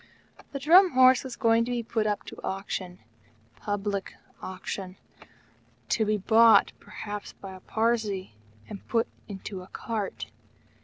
The Drum Horse was going to be put up to auction public auction to be bought, perhaps, by a Parsee and put into a cart!